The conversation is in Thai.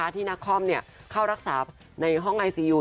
ที่นักคอมเข้ารักษาในห้องไอซียู